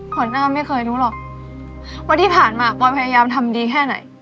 หน้าไม่เคยรู้หรอกว่าที่ผ่านมาปอยพยายามทำดีแค่ไหน